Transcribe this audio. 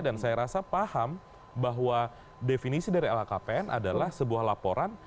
dan saya rasa paham bahwa definisi dari lhkpn adalah sebuah laporan